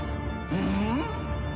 うん？